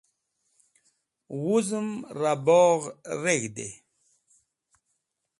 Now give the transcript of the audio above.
Wuzem Ra Bogh Reg̃hde